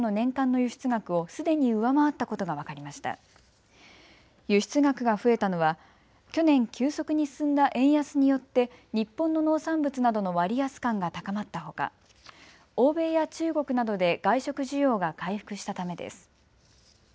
輸出額が増えたのは去年、急速に進んだ円安によって日本の農産物などの割安感が高まったほか欧米や中国などで外食需要が回復したためです。